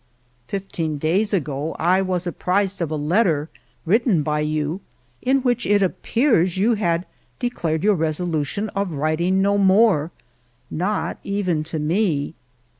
ALFRED DREYFUS 285 " Fifteen days ago I was apprised of a letter written by you in which, it appears, you had de clared your resolution of writing no more, not even to me.